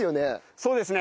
そうですね。